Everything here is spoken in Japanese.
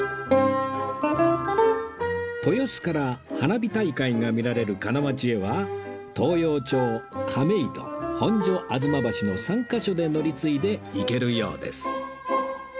豊洲から花火大会が見られる金町へは東陽町亀戸本所吾妻橋の３カ所で乗り継いで行けるようです